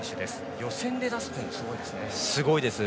予選で出すというのがすごいですね。